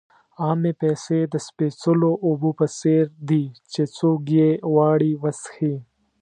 عامې پیسې د سپېڅلو اوبو په څېر دي چې څوک یې غواړي وڅښي.